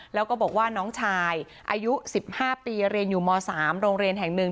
แล้วก็บอกว่าน้องชายอายุ๑๕ปีเรียนอยู่ม๓โรงเรียนแห่งหนึ่ง